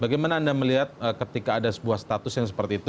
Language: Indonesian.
bagaimana anda melihat ketika ada sebuah status yang seperti itu